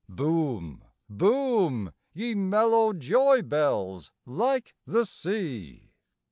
Boom, boom, ye mellow joy bells, like the sea!